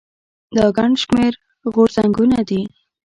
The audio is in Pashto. دا ګڼ شمېر غورځنګونه دي.